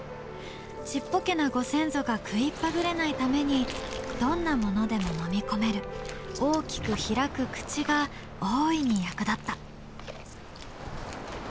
ちっぽけなご先祖が食いっぱぐれないためにどんなものでも飲み込める大きく開く口が大いに役立った。